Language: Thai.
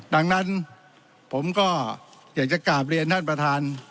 ดังนั้นผมก็อยากจะกราบเรียนท่านประธาน